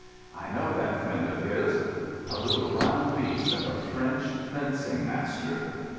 "I know that friend of his. A little brown beast of a French fencing master.